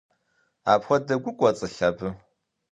Апхуэдэ гу кӏуэцӏылъ абы?